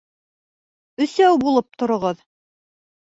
Өсәү булып тороғоҙ!